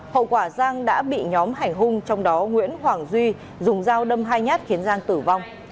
hậu quả giang đã bị nhóm hành hung trong đó nguyễn hoàng duy dùng dao đâm hai nhát khiến giang tử vong